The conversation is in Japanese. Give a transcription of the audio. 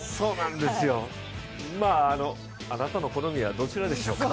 あなたの好みはどちらでしょうか？